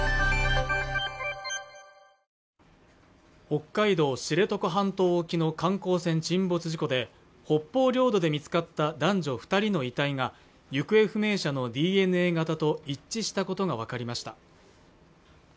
北海道知床半島沖の観光船沈没事故で北方領土で見つかった男女二人の遺体が行方不明者のＤＮＡ型と一致したことが分かりました